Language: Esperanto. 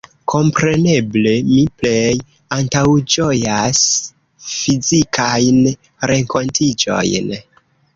Kompreneble mi plej antaŭĝojas fizikajn renkontiĝojn.